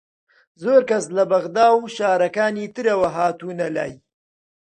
زۆر کەس لە بەغدا و شارەکانی ترەوە هاتوونە لای